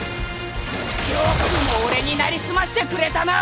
よくも俺に成り済ましてくれたな！